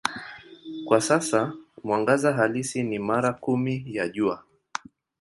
Kwa sasa mwangaza halisi ni mara kumi ya Jua.